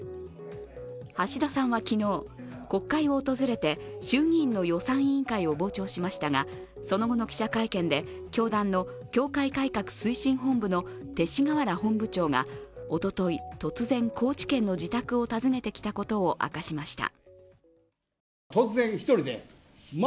橋田さんは昨日、国会を訪れて衆議院の予算委員会を傍聴しましたがその後の記者会見で、教団の教会改革推進本部の勅使河原本部長がおととい、突然、高知県の自宅を訪ねてきたことを明かしました。